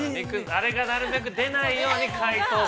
あれがなるべく出ないように、解凍をする。